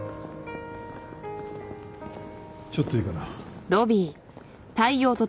ちょっといいかな。